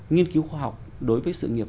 nghiên cứu khoa học đối với sự nghiệp